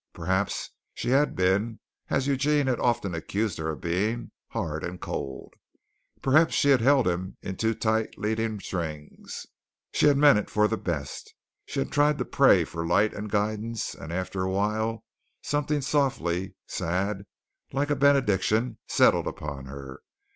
Perhaps she had been, as Eugene had often accused her of being, hard and cold. Perhaps she had held him in too tight leading strings. She had meant it for the best. She had tried to pray for light and guidance, and after a while something softly sad, like a benediction, settled upon her.